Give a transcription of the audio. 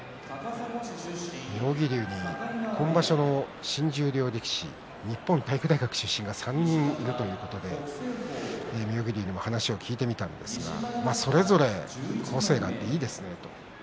妙義龍、今場所の新十両力士日本体育大学出身が３人いるということで妙義龍にも話を聞いてみたんですがそれぞれ個性があっていいですねと。